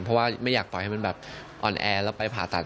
เพราะว่าไม่อยากปล่อยให้มันแบบอ่อนแอแล้วไปผ่าตัด